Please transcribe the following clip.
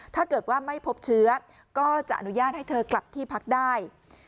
ถ้าเกิดว่าไม่พบเชื้อก็จะอนุญาตให้เธอกลับที่พักได้